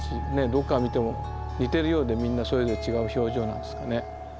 どこから見ても似てるようでみんなそれぞれ違う表情なんですかね。